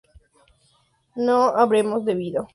no habremos bebido